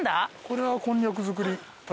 これはこんにゃく作り体験。